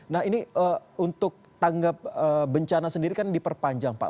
nah ini untuk tanggap bencana sendiri kan diperpanjang pak